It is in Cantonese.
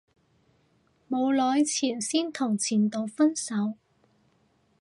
冇耐前先同前度分手